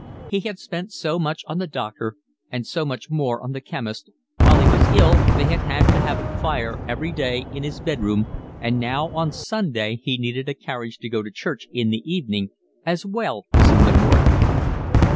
He had spent so much on the doctor and so much more on the chemist, while he was ill they had had to have a fire every day in his bed room, and now on Sunday he needed a carriage to go to church in the evening as well as in the morning.